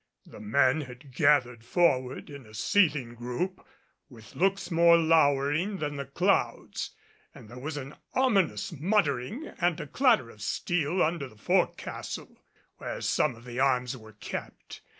The men had gathered forward in a seething group, with looks more lowering than the clouds; and there was an ominous muttering and a clatter of steel under the fore castle, where some of the arms were kept.